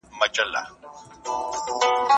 آیا کیلومتر تر متر اوږد دی؟